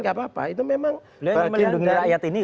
gak apa apa itu memang bagian